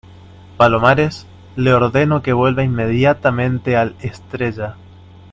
palomares, le ordeno que vuelva inmediatamente al Estrella.